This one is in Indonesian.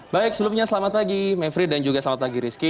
baik sebelumnya selamat pagi mevri dan juga selamat pagi rizky